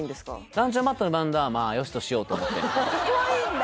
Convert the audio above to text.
ランチョンマットのブランドはまあよしとしようと思ってそこはいいんだ？